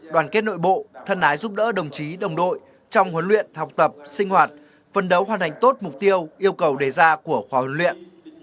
đoàn kết nội bộ thân ái giúp đỡ đồng chí đồng đội trong huấn luyện học tập sinh hoạt phân đấu hoàn thành tốt mục tiêu yêu cầu đề ra của khóa huấn luyện